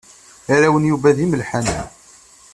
Arraw n Yuba d imelḥanen.